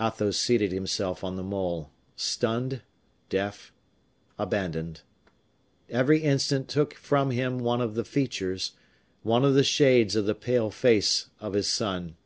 Athos seated himself on the mole, stunned, deaf, abandoned. Every instant took from him one of the features, one of the shades of the pale face of his son.